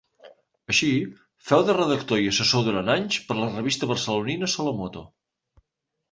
Així, féu de redactor i assessor durant anys per a la revista barcelonina Solo Moto.